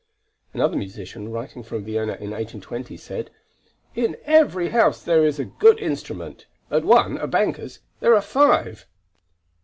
Another musician, writing from Vienna in 1820, said: "In every house there is a good instrument; at one, a banker's, there are five."